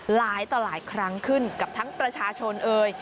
หลายต่อหลายครั้งขึ้นกับทั้งประชาชนเอ่ย